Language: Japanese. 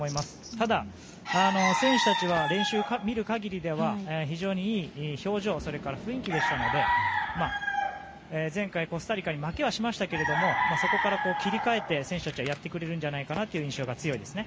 ただ、選手たちは練習を見る限りでは非常にいい表情それから雰囲気でしたので前回、コスタリカに負けはしましたけどそこから切り替えて選手たちはやってくれるんじゃないかなという印象が強いですね。